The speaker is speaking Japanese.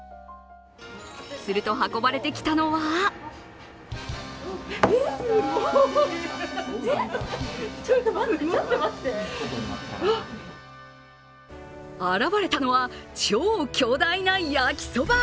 すると運ばれてきたのは現れたのは超巨大な焼きそば。